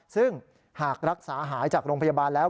ซึ่งหากรักษาหายจากโรงพยาบาลแล้ว